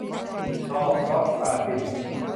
นอร์ฟล็อกซาซิน